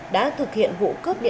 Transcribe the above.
đã thực hiện vụ cướp điện xe đạp điện